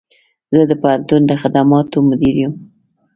زه د پوهنتون د خدماتو مدیر یم